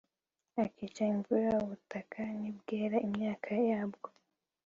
akica imvura ubutaka ntibwere imyaka yabwo